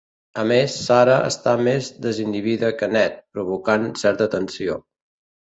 A més, Sara està més desinhibida que Ned, provocant certa tensió.